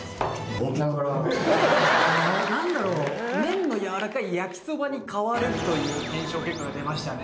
何だろう麺の柔らかい焼きそばに変わるという検証結果が出ましたね。